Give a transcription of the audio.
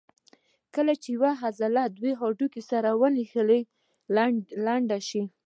کله چې یوه عضله دوه هډوکي سره نښلوي لنډه شي.